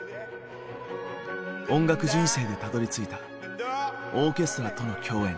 音楽人生でたどりついたオーケストラとの共演。